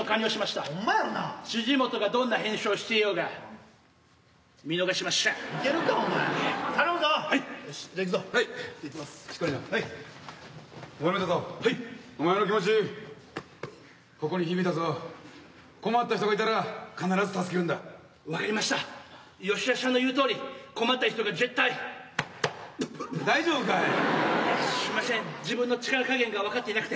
しゅみましぇん自分の力加減が分かっていなくて。